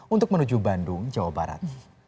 untuk menuju bandung jawa barat